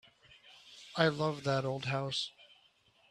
I love that old house.